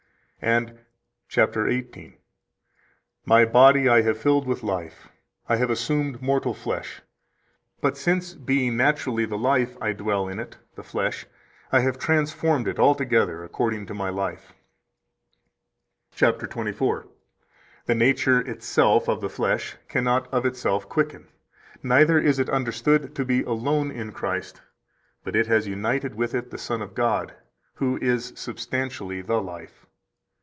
123 And cap. 18 (p. 204): "My body I have filled with life, I have assumed mortal flesh; but since, being naturally the Life, I dwell in it [the flesh], I have transformed it altogether according to My life." 124 Cap. 24 (p. 210): "The nature itself of the flesh cannot of itself quicken, neither is it understood to be alone in Christ, but it has united with it the Son of God, who is substantially the Life.